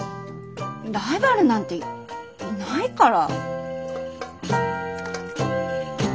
ライバルなんていないから。